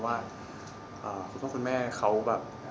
เพราะว่าคุณแม่เขาแบบ